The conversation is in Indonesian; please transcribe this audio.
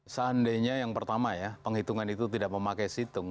seandainya yang pertama ya penghitungan itu tidak memakai situng